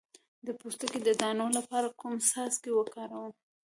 د پوستکي د دانو لپاره کوم څاڅکي وکاروم؟